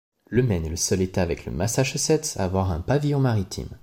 Le Maine est le seul État avec le Massachusetts à avoir un pavillon maritime.